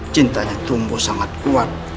cintanya tumbuh sangat kuat